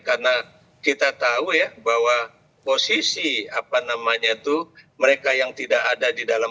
karena kita tahu ya bahwa posisi apa namanya itu mereka yang tidak ada di dalam